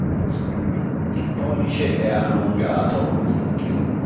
Il pollice è allungato.